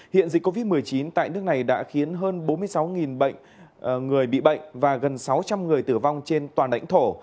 hiện dịch covid một mươi chín tại nước này đã khiến hơn bốn mươi sáu người bị bệnh và gần sáu trăm linh người tử vong trên toàn lãnh thổ